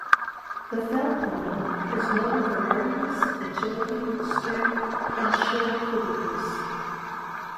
The Fell pony is noted for hardiness, agility, strength and sure-footedness.